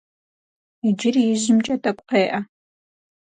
Иджыри ижьымкӏэ тӏэкӏу къеӏэ.